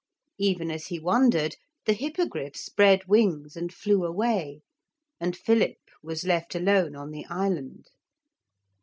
Even as he wondered, the Hippogriff spread wings and flew away. And Philip was left alone on the island.